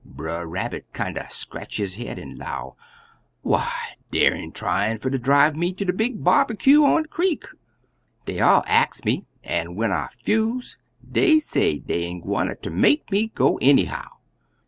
Brer Rabbit kinder scratch his head an' 'low, 'Why, deyer tryin' fer drive me ter de big bobbycue on de creek. Dey all ax me, an' when I 'fuse dey say deyer gwine ter make me go any how.